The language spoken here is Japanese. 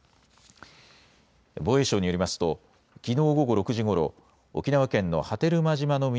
防衛省によりますときのう午後６時ごろ、沖縄県の波照間島の南